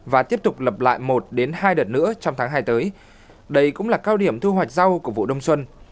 và tiếp tục lập lại một hai đợt nữa trong tháng hai tới đây cũng là cao điểm thu hoạch rau của vụ đông xuân